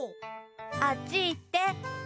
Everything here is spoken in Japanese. あっちいって。